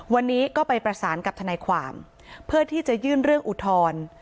วันนี้ก็ไปประสานกับทนายความเพื่อที่จะยื่นเรื่องอุทธรณ์